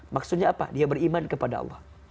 maksudnya apa dia beriman kepada allah